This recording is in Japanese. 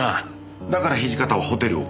だから土方はホテルを変えた。